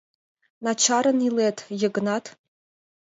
— Начарын илет, Йыгнат.